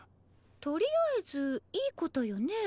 とりあえずいい事よね？